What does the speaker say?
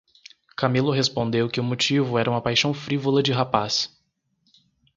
Camilo respondeu que o motivo era uma paixão frívola de rapaz.